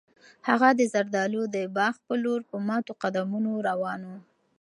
هغه د زردالیو د باغ په لور په ماتو قدمونو روان و.